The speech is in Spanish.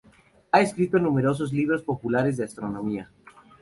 Ha escrito numerosos libros populares de astronomía.